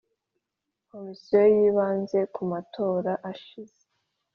Komisiyo yibanze ku matora ashize